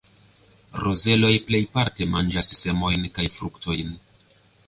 Rozeloj plejparte manĝas semojn kaj fruktojn.